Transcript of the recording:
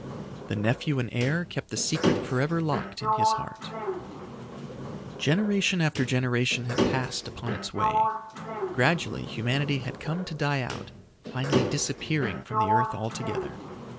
The nephew and heir kept the secret forever locked in his heart. Generation after generation had passed upon its way. Gradually humanity had come to die out, finally disappearing from the earth altogether.